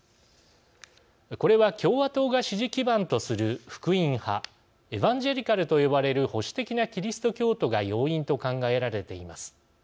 これは共和党が支持基盤とする福音派＝エバンジェリカルと呼ばれる保守的なキリスト教徒が要因と考えられています。